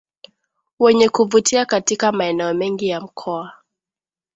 wenye kuvutia katika maeneo mengi ya mkoa